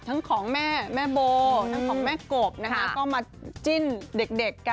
ของแม่แม่โบทั้งของแม่กบนะคะก็มาจิ้นเด็กกัน